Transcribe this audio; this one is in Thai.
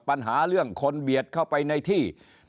ปัญหาเรื่องคนเบียดเข้าไปในที่